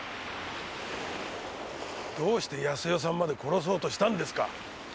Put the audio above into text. どうして康代さんまで殺そうとしたんですか？